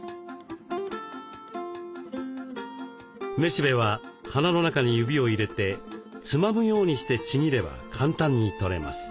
雌しべは花の中に指を入れてつまむようにしてちぎれば簡単にとれます。